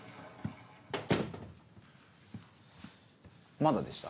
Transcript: まだでした？